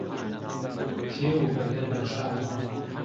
کێو و بەندەن نەخشاوە